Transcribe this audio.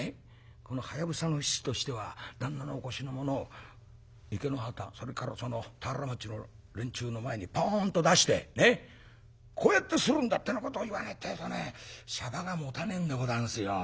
このはやぶさの七としては旦那のお腰のものを池之端それから田原町の連中の前にポンと出してこうやってするんだってなことを言わねえってえとねしゃばがもたねえんでござんすよ。